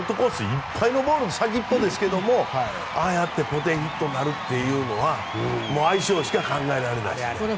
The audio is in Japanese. いっぱいの先っぽですが、ああやってポテンヒットになるというのは相性しか考えられないですね。